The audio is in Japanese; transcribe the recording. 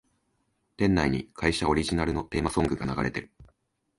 店内に会社オリジナルのテーマソングが流れてる